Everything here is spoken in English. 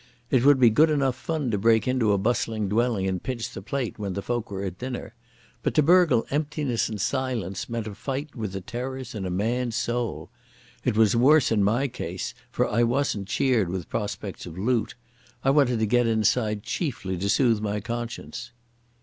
It would be good enough fun to break into a bustling dwelling and pinch the plate when the folk were at dinner, but to burgle emptiness and silence meant a fight with the terrors in a man's soul. It was worse in my case, for I wasn't cheered with prospects of loot. I wanted to get inside chiefly to soothe my conscience.